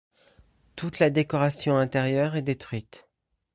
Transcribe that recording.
Toute la décoration intérieure est détruite.